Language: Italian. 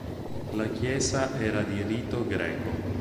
La chiesa era di rito greco.